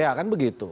ya kan begitu